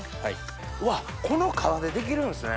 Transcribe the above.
うわっこの皮でできるんですね。